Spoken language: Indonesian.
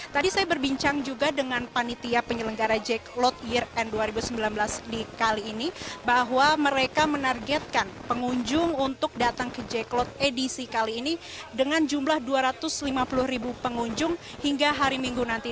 tadi saya berbincang juga dengan panitia penyelenggara jack load year end dua ribu sembilan belas di kali ini bahwa mereka menargetkan pengunjung untuk datang ke jack clot edisi kali ini dengan jumlah dua ratus lima puluh ribu pengunjung hingga hari minggu nanti